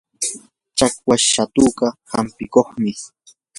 chakwas shatuka hampikuqmi.